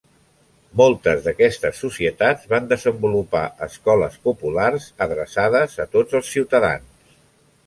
Moltes d'aquestes societats van desenvolupar escoles populars adreçades a tots els ciutadans.